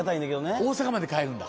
大阪まで帰るんだ。